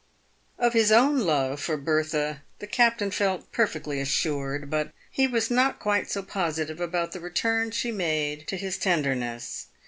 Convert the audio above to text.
Of his own love for Bertha the captain felt perfectly assured, but he was not quite so positive about the return she made to his tender ness.